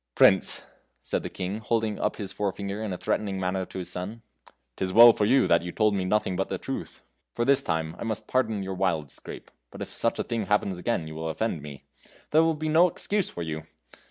"Prince!" said the King, holding up his forefinger in a threatening manner to his son, "'tis well for you that you told me nothing but the truth. For this time I must pardon your wild scrape, but if such a thing happens again you will offend me. There will be no excuse for you!